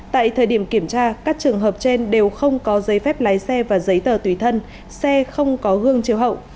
tại thời điểm kiểm tra các trường hợp trên đều không có giấy phép lái xe và giấy tờ tùy thân xe không có gương chiều hậu